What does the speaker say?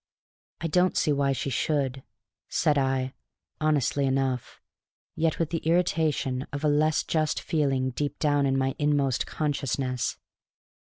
"I don't see why she should," said I, honestly enough, yet with the irritation of a less just feeling deep down in my inmost consciousness.